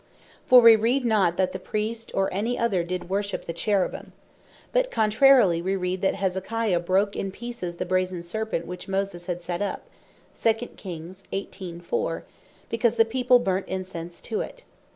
For we read not, that the Priest, or any other did worship the Cherubins; but contrarily wee read (2 Kings 18.4.) that Hezekiah brake in pieces the Brazen Serpent which Moses had set up, because the People burnt incense to it.